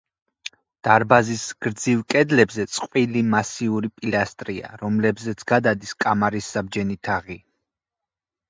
დარბაზის გრძივ კედლებზე წყვილი მასიური პილასტრია, რომლებზეც გადადის კამარის საბჯენი თაღი.